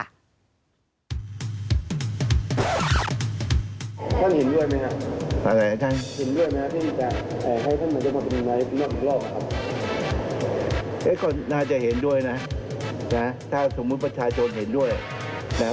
ไปตอบคนเดียวว่าในย่องเป็นย่องเป็นได้ไหมต้องประชาชนเท่านั้น